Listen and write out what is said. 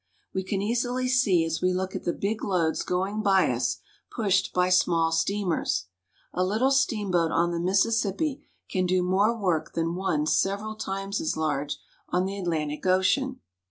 We can easily see as we look at the big loads going by us, pushed by small steamers. A Httle steamboat on the Mississippi can do more work than one several times as large on the Atlantic Ocean.